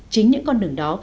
chính những con đường đó